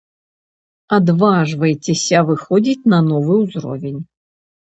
Адважвайцеся выходзіць на новы ўзровень!